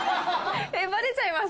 えっバレちゃいます？